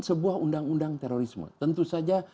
sebuah undang undang terorisme tentu saja